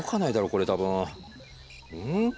これ多分うん？